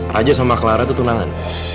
raja sama clara itu tunangan